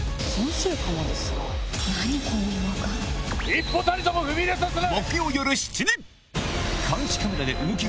一歩たりとも踏み入れさせない！